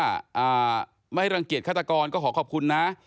อ่าไม่รังเกียจฆาตกรก็ขอขอบคุณนะ